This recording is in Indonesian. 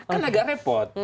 kan agak repot